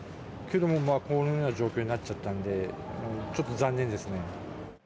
けどもこのような状況になっちゃったんで、ちょっと残念ですね。